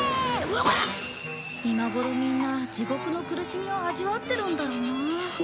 今頃みんな地獄の苦しみを味わってるんだろうな。